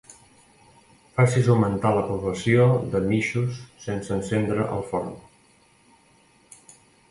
Facis augmentar la població de mixos sense encendre el forn.